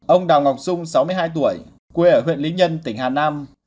ông đào ngọc dung sáu mươi hai tuổi quê ở huyện lý nhân tỉnh hà nam